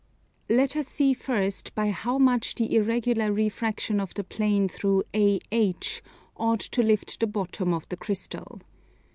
Let us see first by how much the irregular refraction of the plane through AH ought to lift the bottom of the crystal.